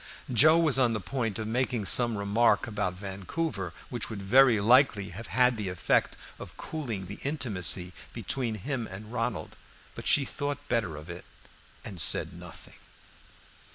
Joe was on the point of making some remark upon Vancouver, which would very likely have had the effect of cooling the intimacy between him and Ronald; but she thought better of it, and said nothing.